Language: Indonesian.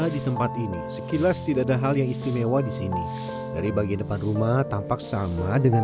di tempat ini sekilas tidak ada hal yang istimewa di sini dari bagian depan rumah tampak sama dengan